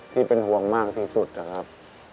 ที่เป็นห่วงมากที่สุดนะครับ